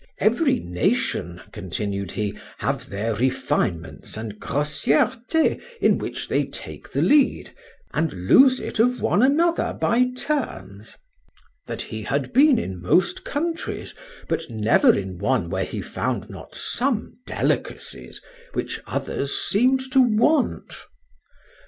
—Every nation, continued he, have their refinements and grossièrtés, in which they take the lead, and lose it of one another by turns:—that he had been in most countries, but never in one where he found not some delicacies, which others seemed to want.